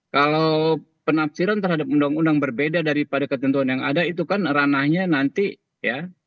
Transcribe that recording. kalau penafsiran terhadap undang undang berbeda daripada ketentuan yang ada itu kan ranahnya nanti ya